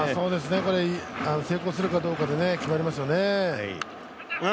ここを成功するかどうかで決まりますよね。